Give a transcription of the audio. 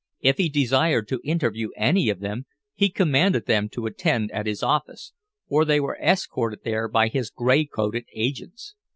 If he desired to interview any of them, he commanded them to attend at his office, or they were escorted there by his gray coated agents.